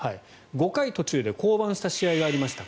５回途中で降板した試合がありました